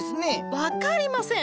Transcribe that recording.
分かりません！